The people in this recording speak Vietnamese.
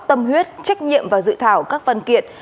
tâm huyết trách nhiệm và dự thảo các văn kiện